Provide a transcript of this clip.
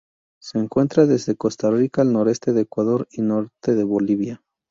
Se encuentra desde Costa Rica al noroeste de Ecuador y norte de Bolivia.